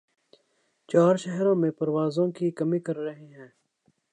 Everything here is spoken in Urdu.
چار شہرو ں میں پروازوں کی کمی کر رہے ہیں